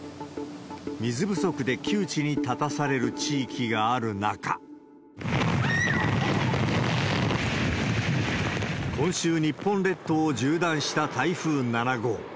水不足で窮地に立たされる地域がある中、今週、日本列島を縦断した台風７号。